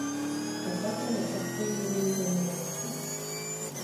Opakem je extenzivní zemědělství.